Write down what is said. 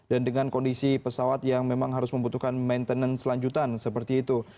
dan dengan kondisi pesawat yang memang harus membutuhkan maintenance selanjutan seperti itu